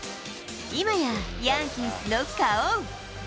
今やヤンキースの顔。